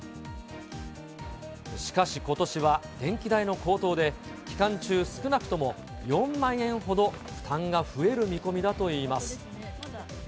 しかし、ことしは電気代の高騰で、期間中、少なくとも４万円ほど負担が増える見込みだといいます。